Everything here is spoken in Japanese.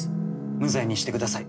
無罪にしてください。